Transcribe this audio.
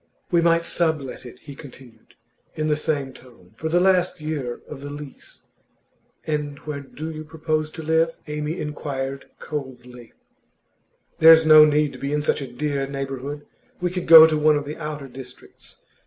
'We might sublet it,' he continued, in the same tone, 'for the last year of the lease.' 'And where do you propose to live?' Amy inquired, coldly. 'There's no need to be in such a dear neighbourhood. We could go to one of the outer districts.